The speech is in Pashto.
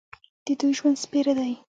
د دوی ژوند سپېره دی.